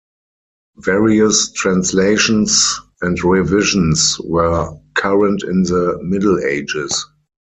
Various translations and revisions were current in the Middle Ages.